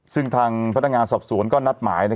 ซึ่งทางพนักงานสอบสวนก็นัดหมาย